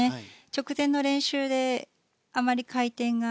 直前の練習であまり回転が